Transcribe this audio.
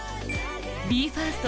ＢＥ：ＦＩＲＳＴ